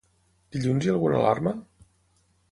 Dilluns hi ha alguna alarma?